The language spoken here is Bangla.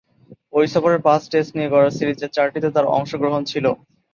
ঐ সফরে পাঁচ টেস্ট নিয়ে গড়া সিরিজের চারটিতে তার অংশগ্রহণ ছিল।